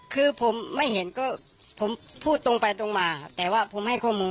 ครับ